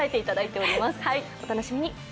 お楽しみに。